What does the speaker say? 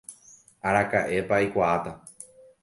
Araka'épa aikuaáta.